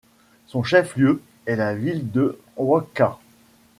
Son chef-lieu est la ville de Wokha.